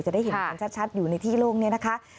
จะได้เห็นกันชัดอยู่ในที่โล่งเนี่ยนะคะ